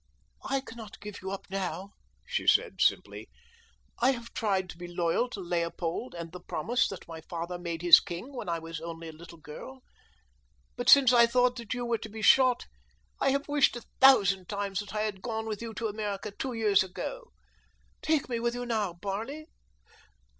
"I cannot give you up now," she said simply. "I have tried to be loyal to Leopold and the promise that my father made his king when I was only a little girl; but since I thought that you were to be shot, I have wished a thousand times that I had gone with you to America two years ago. Take me with you now, Barney.